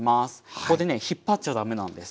ここでね引っ張っちゃ駄目なんです。